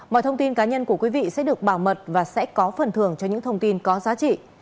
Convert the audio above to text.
mọi thông tin cá nhân của quý vị sẽ được bảo mật và sẽ có phần thường cho những thông tin có giá trị